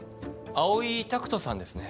葵拓人さんですね。